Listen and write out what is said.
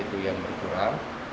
itu yang berkurang